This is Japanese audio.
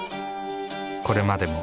これまでも。